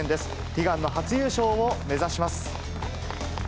悲願の初優勝を目指します。